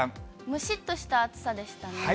むしっとした暑さでしたね。